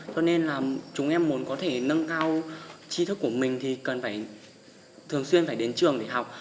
cho nên là chúng em muốn có thể nâng cao chi thức của mình thì cần phải thường xuyên phải đến trường để học